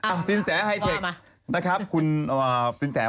อ้าวซินแสไฮเทค